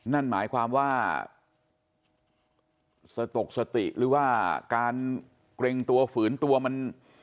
นั่นหมายความว่าสตกสติหรือว่าการเกรงตัวฝืนตัวมัน